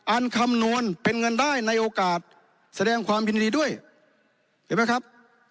คำนวณเป็นเงินได้ในโอกาสแสดงความยินดีด้วยเห็นไหมครับ